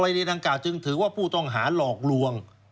พระวัยเรียนทางกล่าวจึงถือว่าผู้ต้องหาหลอกลวง